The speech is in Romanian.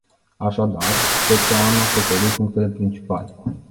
Așadar, cred că am acoperit punctele principale.